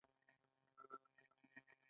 د پلچرخي صنعتي پارک برق لري؟